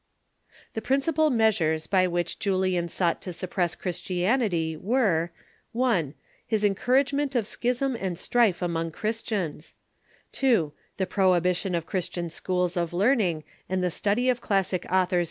Tbe principal measures by which Julian sought to suppress Christianity Avere : 1, His encouragement of schism and strife among Christians ; 2, the prohibition of Cbristian Julian s sciiools of learning, and the study of classic authors Opposition